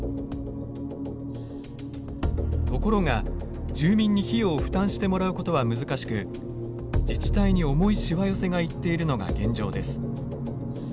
ところが住民に費用を負担してもらうことは難しく自治体に重いしわ寄せがいっているのが現状です。